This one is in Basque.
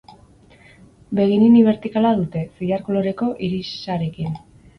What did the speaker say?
Begi-nini bertikala dute, zilar koloreko irisarekin.